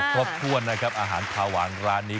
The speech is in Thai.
ครบถ้วนนะครับอาหารคาหวานร้านนี้